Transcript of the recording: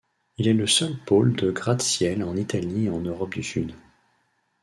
Il est le seul pôle de gratte-ciels en Italie et en Europe du Sud.